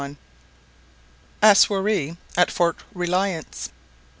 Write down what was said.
A SOIRÉE AT FORT RELIANCE.